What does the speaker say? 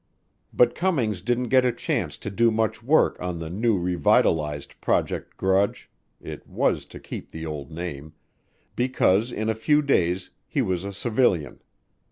But Cummings didn't get a chance to do much work on the new revitalized Project Grudge it was to keep the old name because in a few days he was a civilian.